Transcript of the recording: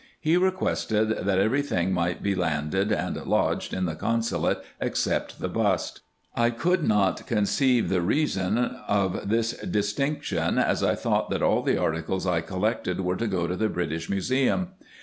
He requested, that every thing might be landed and lodged in the consulate except the bust. I could not conceive the reason of this distinction, as I thought that all the articles I collected were to go to the British Museum.